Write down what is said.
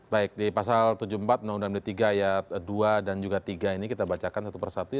baik di pasal tujuh puluh empat undang undang md tiga ayat dua dan juga tiga ini kita bacakan satu persatu